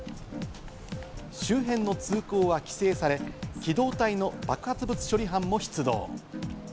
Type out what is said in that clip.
周辺の通行は規制され、機動隊の爆発物処理班も出動。